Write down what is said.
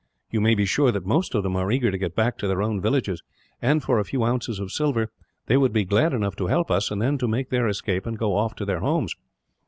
You may be sure that most of them are eager to get back to their own villages and, for a few ounces of silver, they would be glad enough to help us, and then to make their escape and go off to their homes.